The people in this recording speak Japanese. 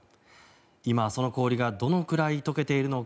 今、その氷がどのくらい解けているのか